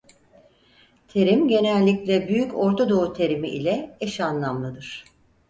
Terim genellikle Büyük Ortadoğu terimi ile eşanlamlıdır.